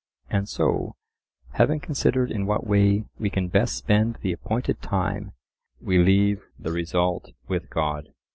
And so, having considered in what way "we can best spend the appointed time, we leave the result with God."